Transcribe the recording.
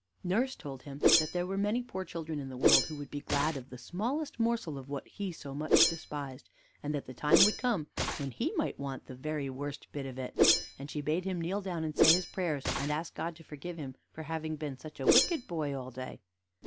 Nurse told him that there were many poor children in the world who would be glad of the smallest morsel of what he so much despised, and that the time would come when he might want the very worst bit of it; and she bade him kneel down and say his prayers, and ask God to forgive him for having been such a wicked boy all day.